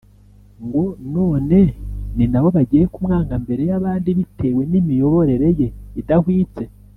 ngo none ni nabo bagiye kumwanga mbere y’abandi bitewe n’imiyoborere ye idahwitse